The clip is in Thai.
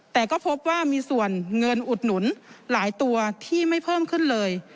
แต่ก็พบว่ามีส่วนเงินอุดหนุนหลายตัวที่ไม่เพิ่มขึ้นเลย